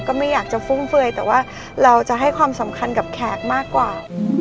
ก็ไม่อยากจะฟุ่มเฟือยแต่ว่าเราจะให้ความสำคัญกับแขกมากกว่า